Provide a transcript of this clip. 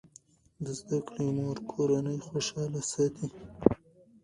د زده کړې مور کورنۍ خوشاله ساتي.